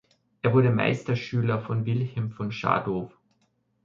Er wurde Meisterschüler von Wilhelm von Schadow.